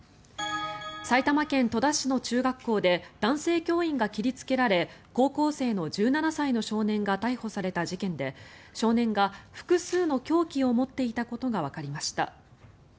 埼玉県戸田市の中学校で男性教員が切りつけられ高校生の１７歳の少年が逮捕された事件で少年が複数の凶器を持っていたことがわかりました。